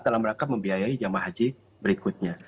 dalam rangka membiayai jamaah haji berikutnya